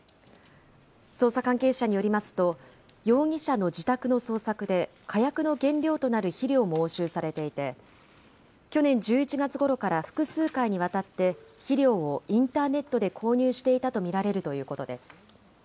捜査関係者によりますと、容疑者の自宅の捜索で火薬の原料となる肥料も押収されていて、去年１１月ごろから複数回にわたって、肥料をインターネットで購入していたと見られるということです。